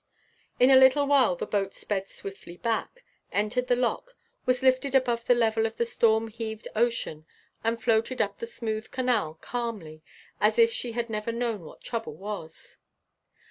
In a little while the boat sped swiftly back, entered the lock, was lifted above the level of the storm heaved ocean, and floated up the smooth canal calmly as if she had never known what trouble was.